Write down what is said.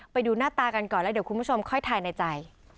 ไปดูหน้าตากันก่อนแล้วเดี๋ยวคุณผู้ชมค่อยทายในใจ